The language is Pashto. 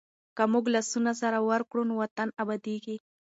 که موږ لاسونه سره ورکړو نو وطن ابادېږي.